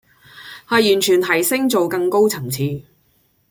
係完全提升做更高層次